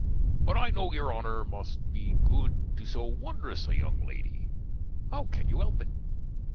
But I kno' your Honner must be good to so wonderous a younge lady. How can you help it?